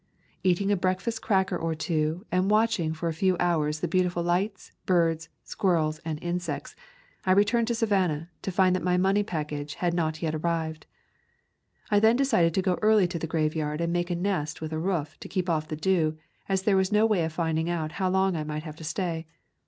Eating a breakfast cracker or two and watch ing for a few hours the beautiful light, birds, squirrels, and insects, I returned to Savannah, to find that my money package had not yet ar rived. I then decided to go early to the grave yard and make a nest with a roof to keep off the dew, as there was no way of finding out how long I might have to stay.